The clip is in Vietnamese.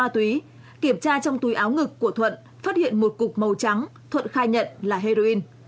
trong túi áo ngực của thuận phát hiện một cục màu trắng thuận khai nhận là heroin